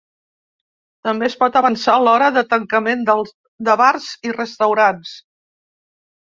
També es pot avançar l’hora de tancament de bars i restaurants.